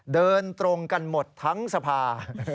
เดินตรงกันหมดทั้งสภา